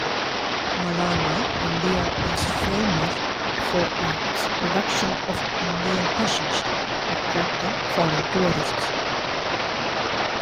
Malana, India is famous for its production of Indian hashish, attracting foreign tourists.